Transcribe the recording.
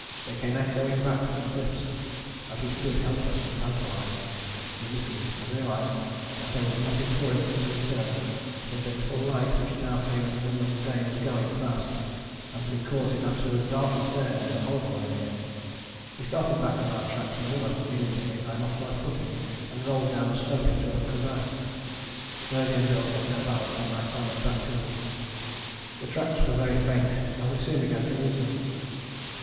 They came echoing back from the cliffs, as we stood helpless and tantalized. We listened and realized that there was nothing for it but to return, for the little light which now came in the middle of the day was going fast, and to be caught in absolute darkness there was a horrible idea. We started back on our tracks and almost immediately I lost my footing and rolled down a slope into a crevasse. Birdie and Bill kept their balance and I clambered back to them. The tracks were very faint and we soon began to lose them.